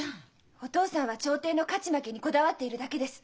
お父さんは調停の勝ち負けにこだわっているだけです。